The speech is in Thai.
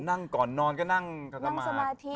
นั่งก่อนนอนก็นั่งมาสมาธิ